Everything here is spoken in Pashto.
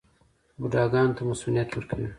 بوډاګانو ته مصوونیت ورکوي.